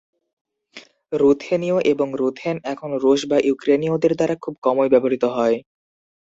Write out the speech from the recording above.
রুথেনীয় এবং "রুথেন" এখন রুশ বা ইউক্রেনীয়দের দ্বারা খুব কমই ব্যবহৃত হয়।